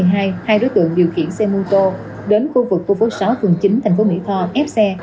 hai đối tượng điều khiển xe mô tô đến khu vực khu phố sáu phường chín thành phố mỹ tho ép xe